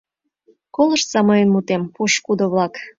— Колыштса мыйын мутем, пошкудо-влак!